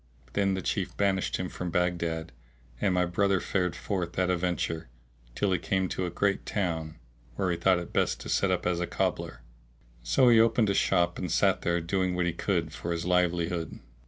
Then the Chief banished him from Baghdad; and my brother fared forth at a venture, till he came to a great town, where he thought it best to set up as a cobbler; so he opened a shop and sat there doing what he could for his livelihood.